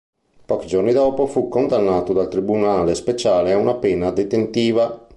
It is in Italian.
Pochi giorni dopo fu condannato dal Tribunale Speciale a una pena detentiva.